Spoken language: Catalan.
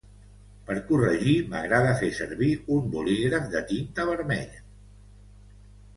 Per corregir, m'agrada fer servir un bolígraf de tinta vermella.